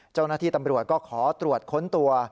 เจ้าหน้าที่ตำรวจก็ขอตรวจค้นตัว